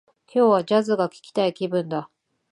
今日は、ジャズが聞きたい気分だ